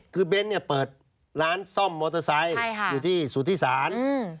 คือเบ้นเนี่ยเปิดร้านซ่อมมอเตอร์ไซค์อยู่ที่สุธิศาล